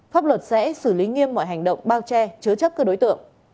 pháp luật sẽ xử lý nghiêm mọi hành động bao che chứa chấp các đối tượng